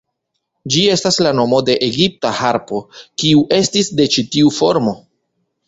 Ĝi estas la nomo de egipta harpo, kiu estis de ĉi tiu formo".